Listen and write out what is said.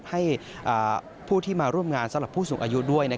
ให้ผู้ที่มาร่วมงานสำหรับผู้สูงอายุด้วย